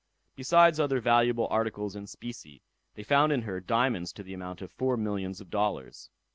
Besides other valuable articles and specie, they found in her diamonds to the amount of four millions of dollars.